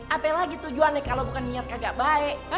apel lagi tujuannya kalau bukan niat kagak baik